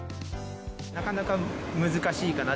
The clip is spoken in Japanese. なかなか難しいかな。